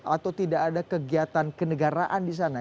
atau tidak ada kegiatan kenegaraan di sana